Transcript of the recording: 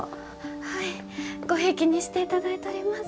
はいごひいきにしていただいとります。